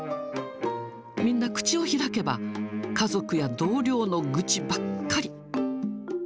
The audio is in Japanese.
みんな口を開けば、家族や同僚の愚痴ばっかり。